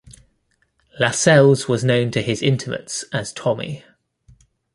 Lascelles was known to his intimates as "Tommy".